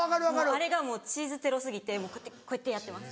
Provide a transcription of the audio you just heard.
あれがチーズテロ過ぎてこうやってやってます